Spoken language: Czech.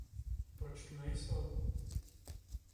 Proč tu nejsou?